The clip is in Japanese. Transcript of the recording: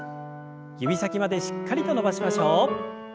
指先までしっかりと伸ばしましょう。